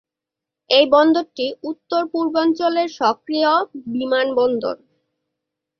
এই বন্দরটি উত্তর-পূর্বাঞ্চলের সক্রিয় বিমান বন্দর।